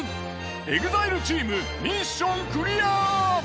ＥＸＩＬＥチームミッションクリア！